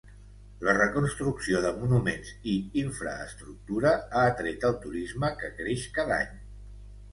La reconstrucció de monuments i infraestructura ha atret el turisme que creix cada any.